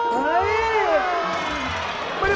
หนูมากับพี่พี